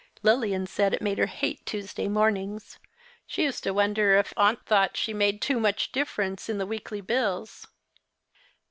Lilian said it made her hate Tuesday mornings. She used to wonder if aunt thought she made too much difterence in the weekly bills."